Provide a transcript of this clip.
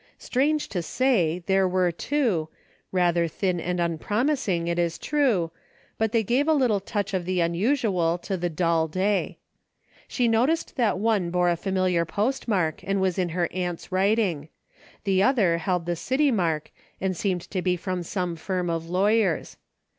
Strange to say, there were two, rather thin and unpromising it is true, but they gave a little touch of the unus ual to the dull day. She noticed that one bore a familiar postmark and was in her aunt's handwriting. The other held the city mark and seemed to be from some firm of lawyers.